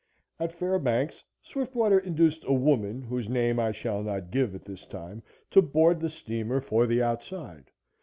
At Fairbanks Swiftwater induced a woman, whose name I shall not give at this time, to board the steamer for the outside.